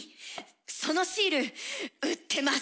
そのシール売ってます。